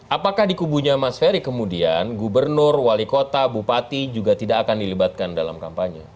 apakah di kubunya mas ferry kemudian gubernur wali kota bupati juga tidak akan dilibatkan dalam kampanye